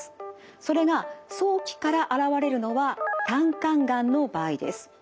それが早期から現れるのは胆管がんの場合です。